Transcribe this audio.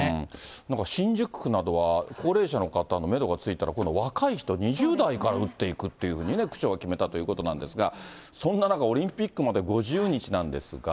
なんか新宿区などは、高齢者の方のメドがついたら、今度、若い人、２０代から打っていくっていうふうにね、区長が決めたということなんですが、そんな中、オリンピックまで５０日なんですが。